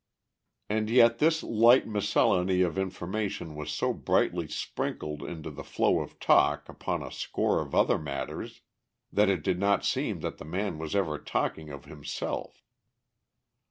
And yet this light miscellany of information was so brightly sprinkled into the flow of talk upon a score of other matters that it did not seem that the man was ever talking of himself.